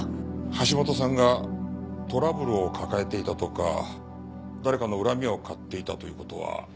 橋本さんがトラブルを抱えていたとか誰かの恨みを買っていたという事は？